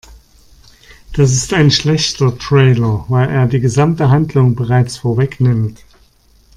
Das ist ein schlechter Trailer, weil er die gesamte Handlung bereits vorwegnimmt.